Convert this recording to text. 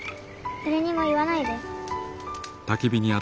誰にも言わないで。